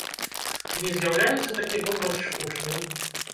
Ці не з'яўляецца такі вобраз штучным?